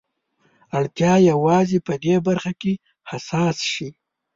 اړتيا يوازې په دې برخه کې حساس شي.